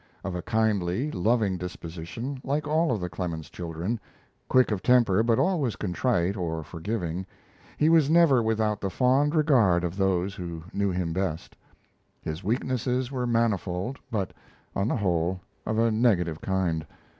Of a kindly, loving disposition, like all of the Clemens children, quick of temper, but always contrite, or forgiving, he was never without the fond regard of those who knew him best. His weaknesses were manifold, but, on the whole, of a negative kind.